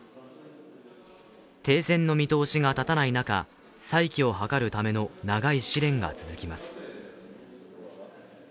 停戦の見通しが立たない中、再起を図るための長い試練が続きます。